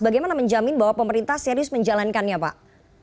bagaimana menjamin bahwa pemerintah serius menjalankannya pak